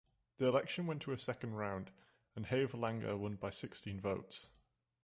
The election went to a second round, and Havelange won by sixteen votes.